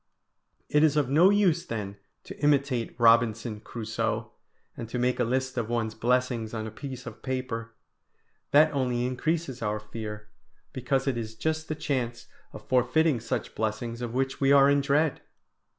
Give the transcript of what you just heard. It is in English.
It is of no use then to imitate Robinson Crusoe, and to make a list of one's blessings on a piece of paper; that only increases our fear, because it is just the chance of forfeiting such blessings of which we are in dread!